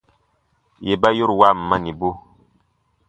Yè ba yoruan manibu.